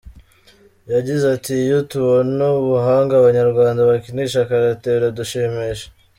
Yagize ati “Iyo tubona ubuhanga Abanyarwanda bakinisha Karate biradushimisha.